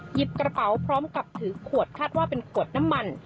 หยิบกระเป๋าพร้อมกับถือขวดคาดว่าเป็นขวดน้ำมัน